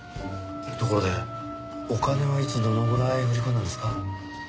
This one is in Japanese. ところでお金はいつどのぐらい振り込んだんですか？